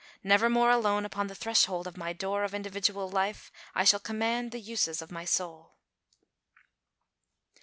Nevermore Alone upon the threshhold of my door Of individual life, I shall command The uses of my soul."